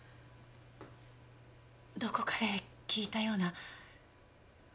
どこかで聞いたような。